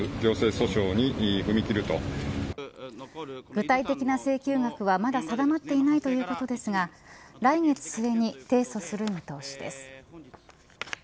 具体的な請求額はまだ定まっていないということですが来月末に提訴する見通しです。